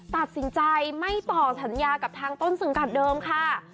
ตัดสินใจไม่ต่อสัญญากับทางต้นสังกัดเดิมค่ะ